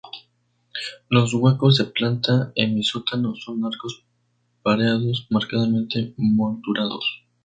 Los huecos de planta semisótano son arcos pareados marcadamente moldurados.